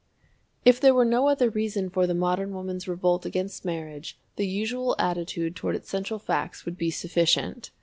If there were no other reason for the modern woman's revolt against marriage, the usual attitude toward its central facts would be sufficient.